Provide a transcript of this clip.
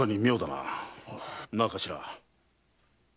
なあ頭？